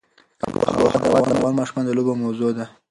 آب وهوا د افغان ماشومانو د لوبو موضوع ده.